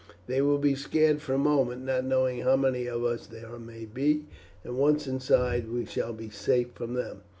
They will be scared for a moment, not knowing how many of us there may be, and once inside we shall be safe from them."